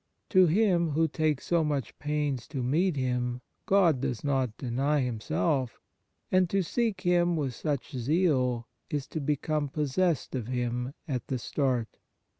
To him who takes so much pains to meet Him, God does not deny Himself, and to seek Him with such zeal is to become possessed of Him at the start.